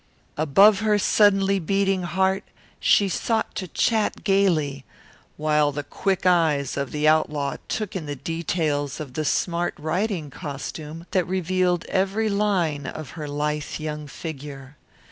Above her suddenly beating heart she sought to chat gayly, while the quick eyes of the outlaw took in the details of the smart riding costume that revealed every line of her lithe young figure.